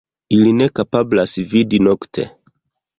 Ili ne kapablas vidi nokte.